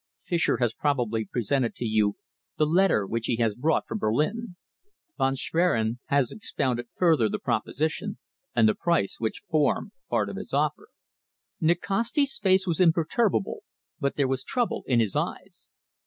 Fischer has probably presented to you the letter which he has brought from Berlin. Von Schwerin has expounded further the proposition and the price which form part of his offer." Nikasti's face was imperturbable, but there was trouble in his eyes.